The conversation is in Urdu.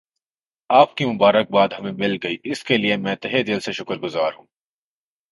آپ کی مبارک باد ہمیں مل گئی اس کے لئے میں تہہ دل سے شکر گزار ہوں